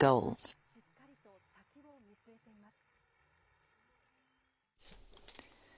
その視線は、しっかりと先を見据えています。